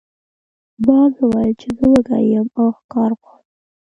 باز وویل چې زه وږی یم او ښکار غواړم.